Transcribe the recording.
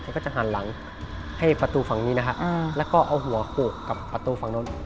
ก็จะหันหลังให้ประตูฝั่งนี้นะฮะแล้วก็เอาหัวโขกกับประตูฝั่งนู้น